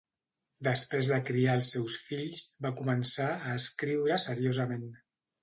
Després de criar els seus fills, va començar a escriure seriosament.